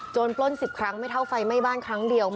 ปล้น๑๐ครั้งไม่เท่าไฟไหม้บ้านครั้งเดียว